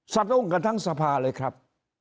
สะดุ้งกันทั้งสภาเลยครับ